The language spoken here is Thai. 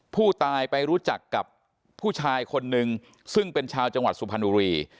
ผู้ตายไปรู้จักกับผู้ชายคนนึงซึ่งเป็นชาวจังหวัดสุพรรณบุรี